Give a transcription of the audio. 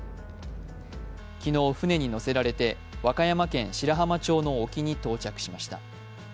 昨日、船にのせられて和歌山県白浜町の沖に到着しました。